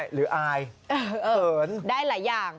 หรืออายเขินได้หลายอย่าง